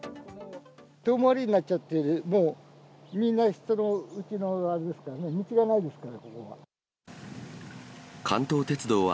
遠回りになっちゃって、みんな、うちのあれですからね、道がないですから、ここは。